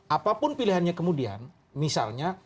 apapun pilihannya kemudian misalnya